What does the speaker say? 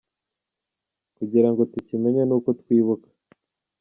Kugira ngo tukimenye ni uko twibuka.